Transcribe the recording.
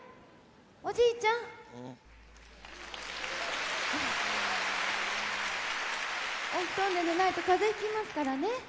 おじいちゃん！お布団で寝ないと風邪ひきますからね。